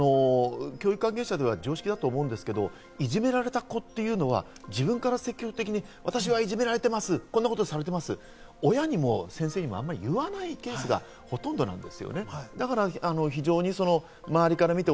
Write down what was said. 教育関係者では常識だと思うんですけど、いじめられた子っていうのは、自分から積極的に私はいじめられています、こんなことされていますって、親にも先生にもあまり言わないケースがほとんどです。